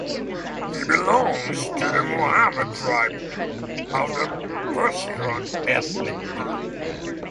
He belongs to the Mohmand tribe of the Pushtun ethnic group.